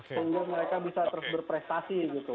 sehingga mereka bisa terus berprestasi gitu